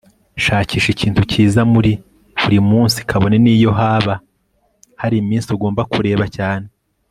shakisha ikintu cyiza muri buri munsi kabone niyo haba hari iminsi ugomba kureba cyane